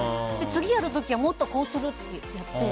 次やるときはもっとこうするって言って。